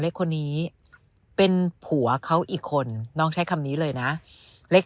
เล็กคนนี้เป็นผัวเขาอีกคนน้องใช้คำนี้เลยนะเล็ก